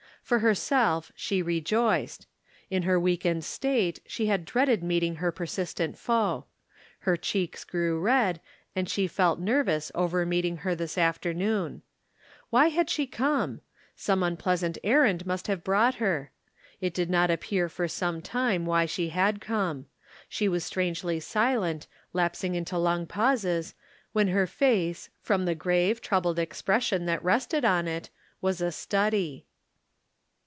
For herself she re joiced. In her weakened state she had dreaded meeting her persistent foe. Her cheeks grew red, and she felt nervous over meeting her this afternoon. Why had she come ? Some unpleas ant errand must have brought her. It did not appear for some time why she had come. She was strangely silent, lapsing into long pauses, when her face, from the grave, troubled expres sion that rested on it, was a study.